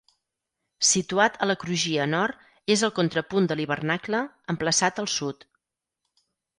Situat a la crugia nord, és el contrapunt de l'hivernacle, emplaçat al sud.